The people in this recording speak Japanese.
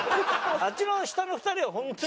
あっちの下の２人は本当に。